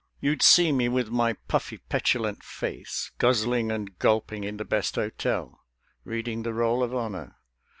You'd see me with my puffy petulant face, Guzzling and gulping in the best hotel, Reading the Roll of Honour.